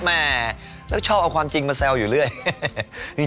แม่แล้วชอบเอาความจริงมาแซวอยู่เรื่อย